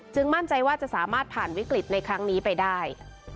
มั่นใจว่าจะสามารถผ่านวิกฤตในครั้งนี้ไปได้